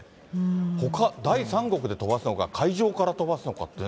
ほか、第三国で飛ばすのか、海上から飛ばすのかってね。